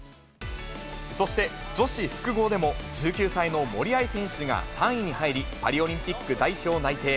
そして、女子複合でも、１９歳の森秋彩選手が３位に入り、パリオリンピック代表内定。